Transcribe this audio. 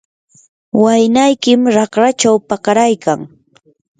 waynaykim raqrachaw pakaraykan.